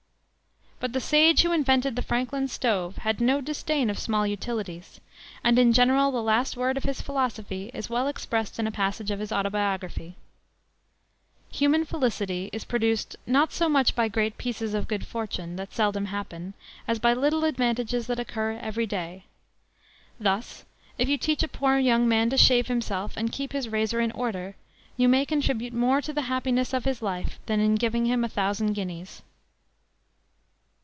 But the sage who invented the Franklin stove had no disdain of small utilities; and in general the last word of his philosophy is well expressed in a passage of his Autobiography: "Human felicity is produced not so much by great pieces of good fortune, that seldom happen, as by little advantages that occur every day; thus, if you teach a poor young man to shave himself and keep his razor in order, you may contribute more to the happiness of his life than in giving him a thousand guineas."